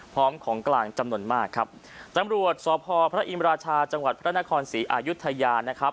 ของกลางจำนวนมากครับตำรวจสพพระอินราชาจังหวัดพระนครศรีอายุทยานะครับ